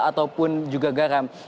ataupun juga garam